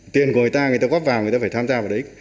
tiền của người ta người ta góp vào người ta phải tham gia vào đấy